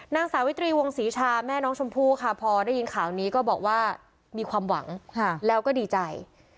นางสาวิตรีวงศรีชาแม่น้องชมพู่ค่ะพอได้ยินข่าวนี้ก็บอกว่ามีความหวังแล้วก็ดีใจ